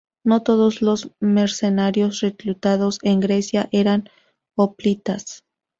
No todos los mercenarios reclutados en Grecia eran hoplitas.